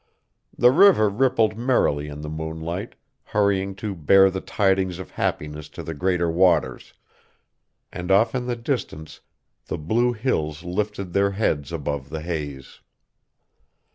The river rippled merrily in the moonlight, hurrying to bear the tidings of happiness to the greater waters, and off in the distance the blue hills lifted their heads above the haze.